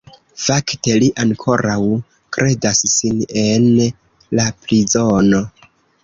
Fakte, li ankoraŭ kredas sin en la prizono.